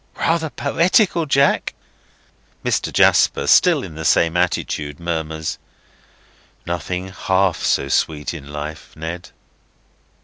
Rather poetical, Jack?" Mr. Jasper, still in the same attitude, murmurs: "'Nothing half so sweet in life,' Ned!"